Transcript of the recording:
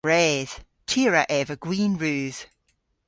Gwredh. Ty a wra eva gwin rudh.